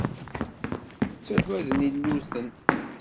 Ttagaden illuten.